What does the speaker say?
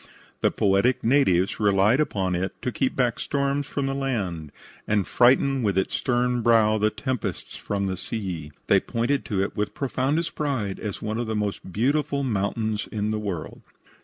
The poetic natives relied upon it to keep back storms from the land and frighten, with its stern brow, the tempests from the sea. They pointed to it with profoundest pride as one of the most beautiful mountains in the world.